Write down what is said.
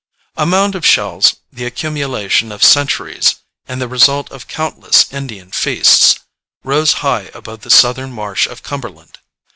A mound of shells, the accumulation of centuries and the result of countless Indian feasts, rose high above the southern marsh of Cumberland.